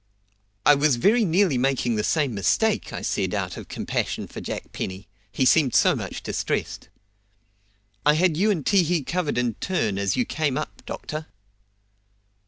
"I was very nearly making the same mistake," I said, out of compassion for Jack Penny he seemed so much distressed. "I had you and Ti hi covered in turn as you came up, doctor."